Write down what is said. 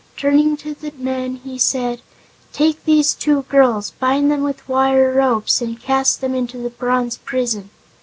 Turning to the men he said: "Take these two girls, bind them with wire ropes and cast them into the bronze prison."